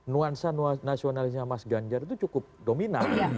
nuansa nasionalisnya mas ganjar itu cukup dominan